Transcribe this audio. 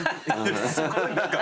すごい何か。